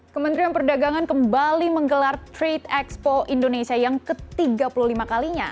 kementerian perdagangan kembali menggelar trade expo indonesia yang ke tiga puluh lima kalinya